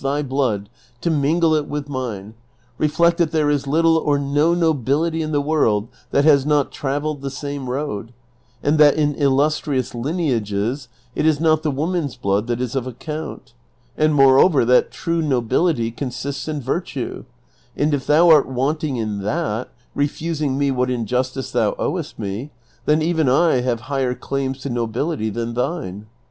thy blood to mingle it Avith mine, reflect that there is little or no nobility in the world that has not travelled the same road, and that in illustrious lineages it is not the woman's blood that is of account ; and, moreover, that true nobility consists in virtue, and if thou art wanting in that, refusing me what in justice tho\i owest me, then even I have higher claims to nobility than thine.